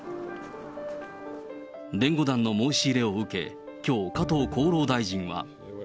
弁護団の申し入れを受け、きょう、加藤厚労大臣は。